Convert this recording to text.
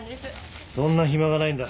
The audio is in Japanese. そんな暇がないんだ。